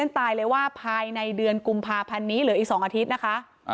ตายเลยว่าภายในเดือนกุมภาพันธ์นี้เหลืออีก๒อาทิตย์นะคะ